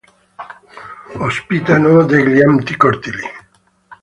Ospitano degli ampi cortili.